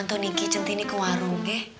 bisa cinti ini ke warung ya